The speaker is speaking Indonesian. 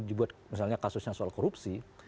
dibuat misalnya kasusnya soal korupsi